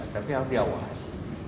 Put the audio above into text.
tapi harus diawas